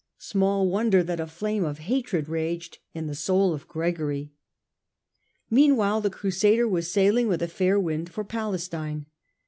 Small wonder that a flame of hatred raged in the soul of Gregory. Meanwhile the Crusader was sailing with a fair wind for Palestine.